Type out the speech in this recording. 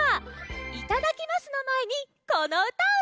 いただきますのまえにこのうたをうたいましょう！